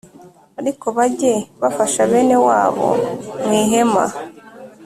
Ariko bajye bafasha bene wabo mu ihema